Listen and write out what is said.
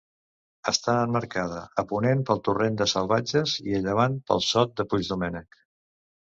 Està emmarcada a ponent pel torrent de Salvatges i a llevant pel Sot de Puigdomènec.